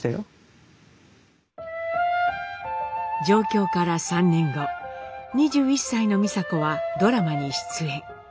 上京から３年後２１歳の美佐子はドラマに出演。